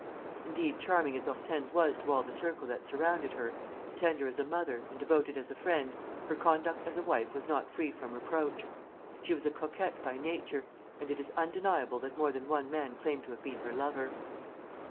Indeed, charming as Hortense was to all the circle that surrounded her, tender as a mother, and devoted as a friend, her conduct as a wife was not free from reproach. She was a coquette by nature, and it is undeniable that more than one man claimed to have been her lover.